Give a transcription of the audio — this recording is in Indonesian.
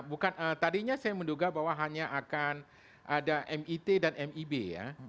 bukan tadinya saya menduga bahwa hanya akan ada mit dan mib ya